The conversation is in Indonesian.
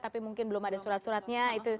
tapi mungkin belum ada surat suratnya